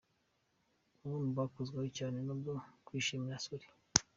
Bamwe bakozweho cyane kubwo kwishimira Solly.